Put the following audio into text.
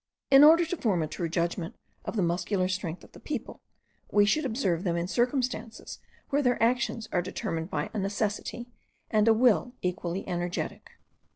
In order to form a true judgment of the muscular strength of the people, we should observe them in circumstances where their actions are determined by a necessity and a will equally energetic.